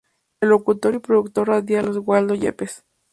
El locutor y productor radial Oswaldo Yepes.